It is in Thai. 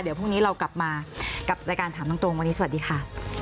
เดี๋ยวพรุ่งนี้เรากลับมากับรายการถามตรงวันนี้สวัสดีค่ะ